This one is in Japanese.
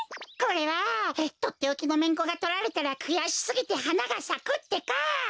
これはとっておきのめんこがとられたらくやしすぎてはながさくってか！